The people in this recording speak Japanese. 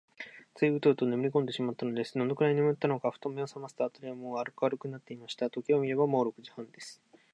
ついウトウトねむりこんでしまったのです。どのくらいねむったのか、ふと目をさますと、あたりはもう明るくなっていました。時計を見れば、もう六時半です。